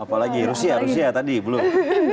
apa lagi rusia russia tadi belum